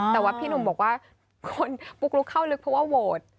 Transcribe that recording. แต่ว่าพี่หนุ่มบอกว่าคนปุ๊กลุกเข้าลึกเพราะว่าโหวต